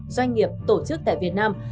doanh nghiệp tổ chức tại việt nam